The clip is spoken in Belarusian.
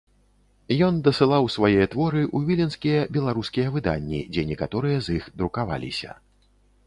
Ён дасылаў свае творы ў віленскія беларускія выданні, дзе некаторыя з іх друкаваліся.